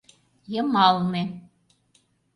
— Йымалне...